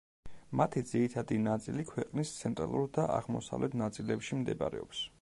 მათი ძირითადი ნაწილი ქვეყნის ცენტრალურ და აღმოსავლეთ ნაწილებში მდებარეობს.